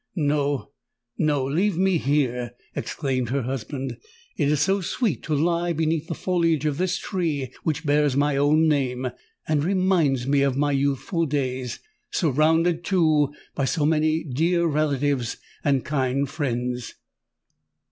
"No—no—leave me here!" exclaimed her husband: "it is so sweet to lie beneath the foliage of this tree which bears my own name, and reminds me of my youthful days,—surrounded, too, by so many dear relatives and kind friends!"